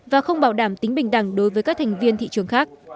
và không bảo đảm tính bình đẳng đối với các thành viên thị trường khác